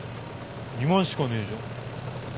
２万しかねえじゃん。